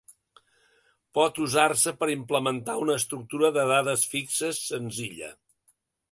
Pot usar-se per implementar una estructura de dades fixes senzilla.